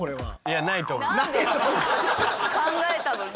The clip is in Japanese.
考えたのに。